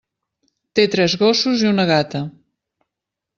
Té tres gossos i una gata.